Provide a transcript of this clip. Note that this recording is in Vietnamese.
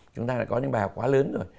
chúng ta đã có những bài học quá lớn rồi